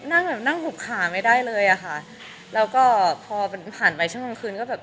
นั่งแบบนั่งหุบขาไม่ได้เลยอ่ะค่ะแล้วก็พอผ่านไปช่วงกลางคืนก็แบบ